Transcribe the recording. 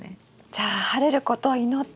じゃあ晴れることを祈って。